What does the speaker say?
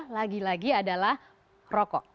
lagi lagi adalah rokok